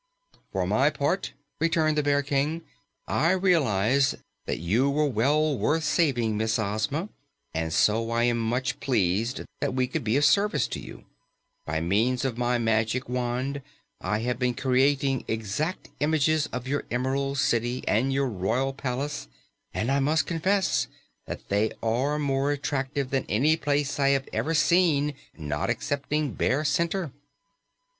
"For my part," returned the Bear King, "I realize that you were well worth saving, Miss Ozma, and so I am much pleased that we could be of service to you. By means of my Magic Wand I have been creating exact images of your Emerald City and your Royal Palace, and I must confess that they are more attractive than any places I have ever seen not excepting Bear Center."